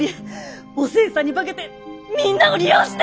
お勢さんに化けてみんなを利用して！